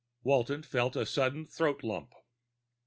Walton felt a sudden throat lump.